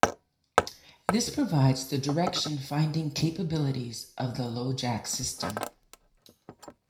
This provides the direction finding capabilities of the LoJack system.